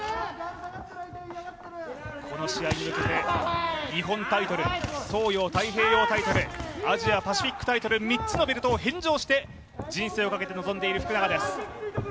この試合に向けて日本タイトル、東洋太平洋タイトル、アジアパシフィックタイトル、３つのベルトを返上して人生をかけて臨んでいる福永です。